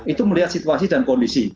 itu melihat situasi dan kondisi